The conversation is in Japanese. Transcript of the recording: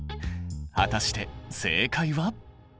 果たして正解は？